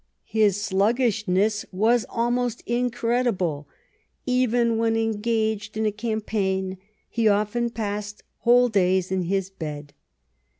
His sluggishness was al most incredible. Even when engaged in a campaign he often passed whole days in his bed.